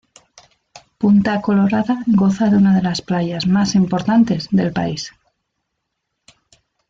Punta Colorada goza de una de las playas más importantes del país.